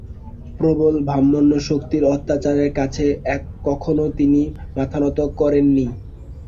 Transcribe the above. প্রবল ব্রাহ্মণ্যশক্তির অত্যাচারের কাছে কখনও তিনি মাথা নত করেননি।